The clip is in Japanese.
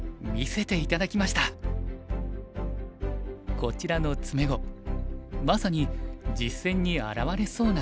こちらの詰碁まさに実戦に現れそうな形。